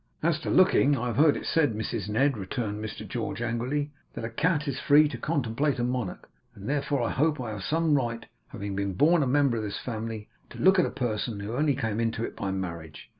'As to looking, I have heard it said, Mrs Ned,' returned Mr George, angrily, 'that a cat is free to contemplate a monarch; and therefore I hope I have some right, having been born a member of this family, to look at a person who only came into it by marriage.